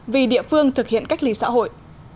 vì địa phương thực hiện cách ly xã hội